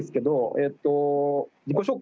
えっと